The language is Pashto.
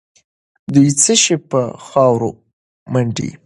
دوی څه شي په خاورو منډي؟